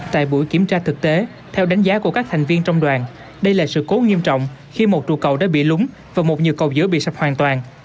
tại buổi kiểm tra thực tế theo đánh giá của các thành viên trong đoàn đây là sự cố nghiêm trọng khi một trụ cầu đã bị lúng và một nhiều cầu giữ bị sập hoàn toàn